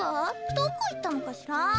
どこいったのかしら。